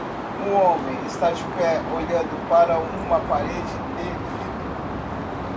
Um homem está de pé olhando para uma parede de vidro.